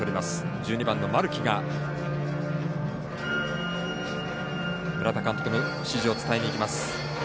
１２番の丸木が村田監督の指示を伝えにいきます。